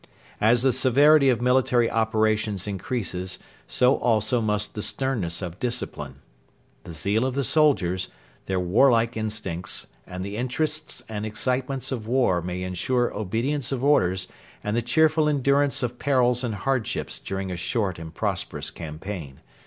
As the severity of military operations increases, so also must the sternness of discipline. The zeal of the soldiers, their warlike instincts, and the interests and excitements of war may ensure obedience of orders and the cheerful endurance of perils and hardships during a short and prosperous campaign.